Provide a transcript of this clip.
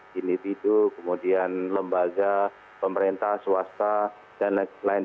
kini tidu kemudian lembaga pemerintah swasta dan lain lain